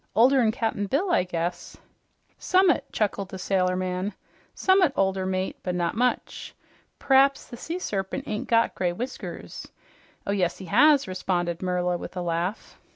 "Older than Cap'n Bill, I guess." "Summat," chuckled the sailor man, "summat older, mate, but not much. P'raps the sea serpent ain't got gray whiskers." "Oh yes he has," responded Merla with a laugh.